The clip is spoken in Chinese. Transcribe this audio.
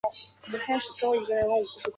由按察司委摄湖广蒲圻县知县。